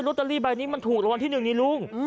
โรตเตอรี่ใบนี้มันถูกรวรรณที่หนึ่งนี่ลุง